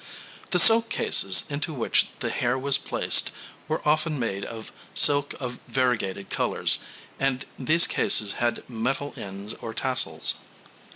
The silk cases into which the hair was placed were often made of silk of variegated colours, and these cases had metal ends or tassels.